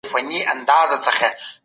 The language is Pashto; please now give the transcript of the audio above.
ښه ذهنیت کرکه نه پیدا کوي.